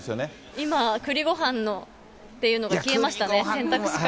今、くりごはんっていうのが消えましたね、選択肢から。